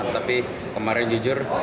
tapi kemarin jujur